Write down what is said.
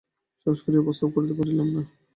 সাহস করিয়া প্রস্তাব করিতে পারিলাম না।